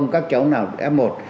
các cháu nào là f một